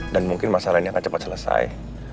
dan mungkin masalah ini akan cepat selesai